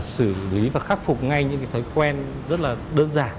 xử lý và khắc phục ngay những cái thói quen rất là đơn giản